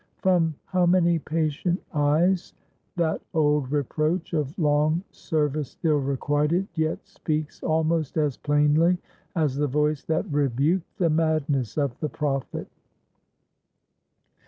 From how many patient eyes that old reproach, of long service ill requited, yet speaks almost as plainly as the voice that "rebuked the madness of the prophet!"